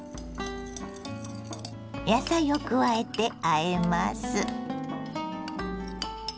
野菜を加えてあえます。